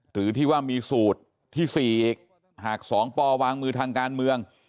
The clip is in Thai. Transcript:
หรือที่ว่ามีสูตรที่๔อีกหาก๒ปวางมือทางการเมือง